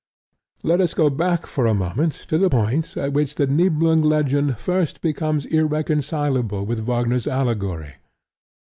Let us go back for a moment to the point at which the Niblung legend first becomes irreconcilable with Wagner's allegory.